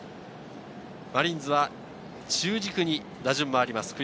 マリーンズは中軸に打順が回ります。